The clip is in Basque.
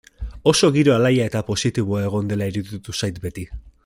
Oso giro alaia eta positiboa egon dela iruditu zait beti.